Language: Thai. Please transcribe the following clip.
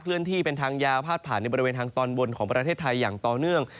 เลื่อนที่เป็นทางยาวพาดผ่านในบริเวณทางตอนบนของประเทศไทยอย่างต่อเนื่อง